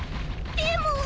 でも。